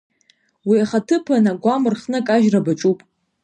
Уи ахаҭыԥан агәам рхны акажьра баҿуп!